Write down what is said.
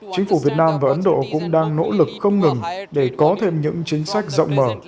chính phủ việt nam và ấn độ cũng đang nỗ lực không ngừng để có thêm những chính sách rộng mở